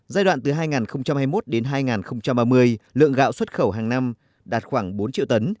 giai đoạn từ hai nghìn hai mươi một đến hai nghìn ba mươi lượng gạo xuất khẩu hàng năm đạt khoảng bốn triệu tấn